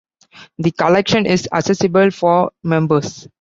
The collection is accessible for members.